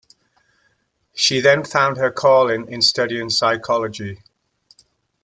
She then found her calling in studying psychology.